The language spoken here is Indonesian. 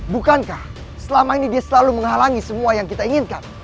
bukankah selama ini dia selalu menghalangi semua yang kita inginkan